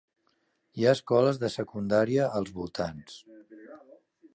Hi ha escoles de secundària als voltants.